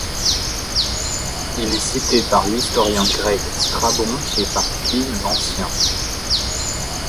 Il est cité par l'historien grec Strabon et par Pline l'Ancien.